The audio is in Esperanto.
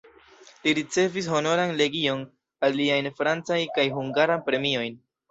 Li ricevis Honoran legion, aliajn francajn kaj hungaran premiojn.